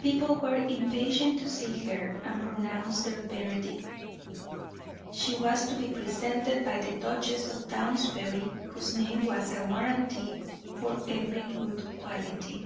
People were impatient to see her and pronounce their verdict. She was to be presented by the Duchess of Downsbury, whose name was a guaranty for every good quality.